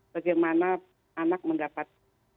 bagaimana anak mendapat